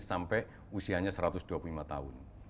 sampai usianya satu ratus dua puluh lima tahun